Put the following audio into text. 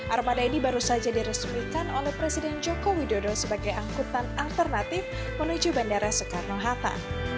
armada ini baru saja diresmikan oleh presiden joko widodo sebagai angkutan alternatif menuju bandara soekarno hatta